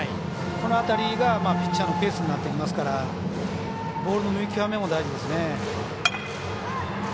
この辺りがピッチャーのペースになってきますからボールの見極めも大事ですね。